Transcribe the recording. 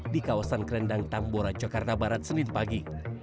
di kawasan kerendang tambora jakarta barat senin pagi